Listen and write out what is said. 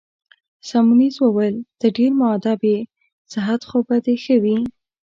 سیمونز وویل: ته ډېر مودب يې، صحت خو به دي ښه وي؟